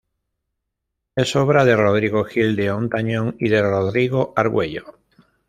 Es obra de Rodrigo Gil de Hontañón y de Rodrigo Argüello.